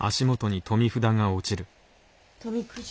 富くじ。